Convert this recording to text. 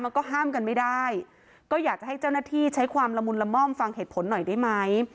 มันก็ห้ามกันไม่ได้ก็อยากจะให้เจ้าหน้าที่ใช้ความละมุนละม่อมฟังเหตุผลหน่อยได้ไหม